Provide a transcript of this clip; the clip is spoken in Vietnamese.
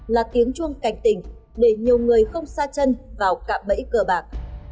là tiếng chuông cảnh tỉnh để nhiều người không xa chân vào cạm bẫy cờ bạc